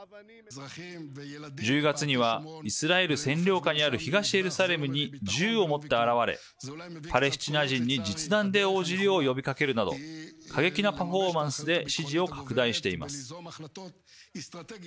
１０月にはイスラエル占領下にある東エルサレムに銃を持って現れパレスチナ人に実弾で応じるよう呼びかけるなど過激なパフォーマンスで支持を拡大しています。